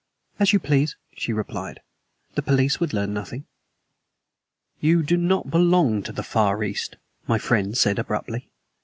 "As you please," she replied. "The police would learn nothing." "You do not belong to the Far East," my friend said abruptly.